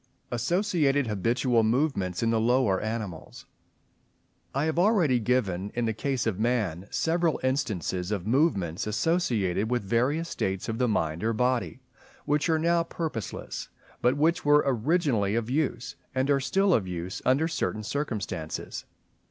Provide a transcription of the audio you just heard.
Associated habitual movements in the lower animals.—I have already given in the case of Man several instances of movements associated with various states of the mind or body, which are now purposeless, but which were originally of use, and are still of use under certain circumstances.